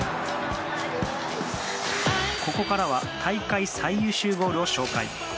ここからは大会最優秀ゴールを紹介。